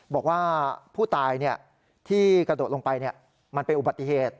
บอกว่าผู้ตายที่กระโดดลงไปมันเป็นอุบัติเหตุ